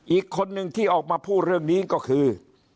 อีกคนนึงที่ออกมาพูดเรื่องนี้ก็คือ